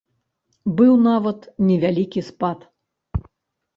Быў нават невялікі спад.